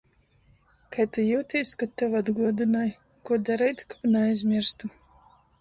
Kai tu jiutīs, kod tev atguodynoj? Kū dareit, kab naaizmierstu?